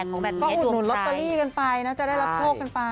ก็อุดหนุนลอตเตอรี่กันไปนะจะได้รับโชคกันไป